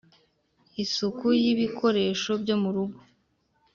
isuku y’ibikoresho byo mu rugo